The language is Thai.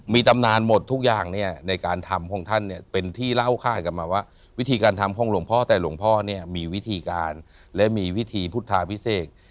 มีตำนานหมดทุกอย่างเนี่ยในการทำของท่านเนี่ยเป็นที่เล่าคาดกันมาว่าวิธีการทำของหลวงพ่อแต่หลวงพ่อเนี่ยมีวิธีการและมีวิธีพุทธาพิเศษ